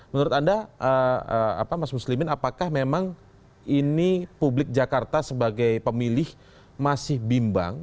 menurut anda mas muslimin apakah memang ini publik jakarta sebagai pemilih masih bimbang